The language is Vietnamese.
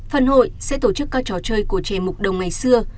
phần hội sẽ tổ chức các trò chơi của trẻ mục đồng ngày xưa